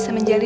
ya pak haji